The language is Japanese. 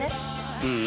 うん。